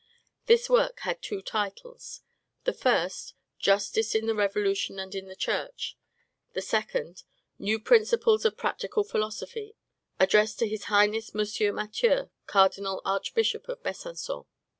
This work had two titles: the first, "Justice in the Revolution and in the Church;" the second, "New Principles of Practical Philosophy, addressed to His Highness Monseigneur Mathieu, Cardinal Archbishop of Besancon."